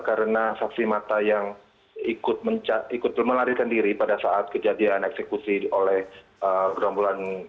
karena saksi mata yang ikut melarikan diri pada saat kejadian eksekusi oleh gerombolan